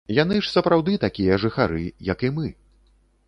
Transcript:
Яны ж сапраўды такія жыхары, як і мы.